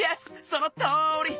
そのとおり！